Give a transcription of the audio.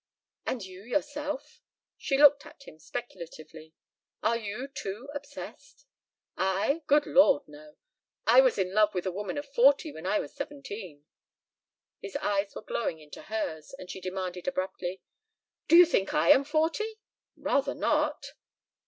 "And you yourself?" She looked at him speculatively. "Are you too obsessed?" "I? Good lord, no. I was in love with a woman of forty when I was seventeen." His eyes were glowing into hers and she demanded abruptly: "Do you think I am forty?" "Rather not!"